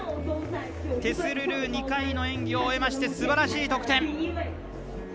テス・ルドゥー、２回の演技を終えましてすばらしい得点。